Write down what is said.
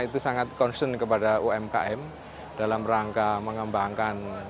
itu sangat concern kepada umkm dalam rangka mengembangkan